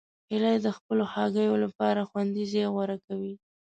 هیلۍ د خپلو هګیو لپاره خوندي ځای غوره کوي